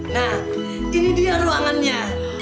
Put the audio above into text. nah ini dia ruangannya